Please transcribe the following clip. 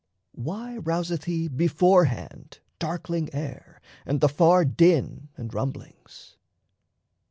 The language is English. Why rouseth he beforehand darkling air And the far din and rumblings?